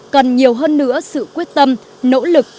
cần nhiều hơn nữa sự quyết tâm nỗ lực